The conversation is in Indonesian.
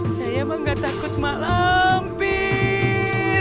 saya emang nggak takut sama malam bir